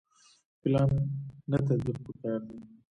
پلان نه تطبیق پکار دی